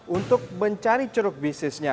untuk mencari ceruk bisnisnya